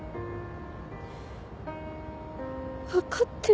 分かってるのに。